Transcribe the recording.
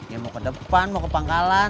ya mau ke depan mau ke pangkalan